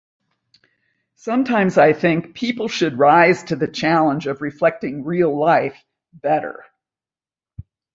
Sometimes I think people should rise to the challenge of reflecting real life better.